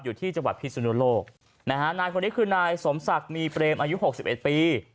อยู่ที่จังหวัดพิสุนุโลกนะฮะนายคนนี้คือนายสมศักดิ์มีเปรมอายุหกสิบเอ็ดปี